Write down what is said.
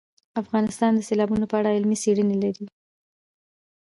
افغانستان د سیلابونه په اړه علمي څېړنې لري.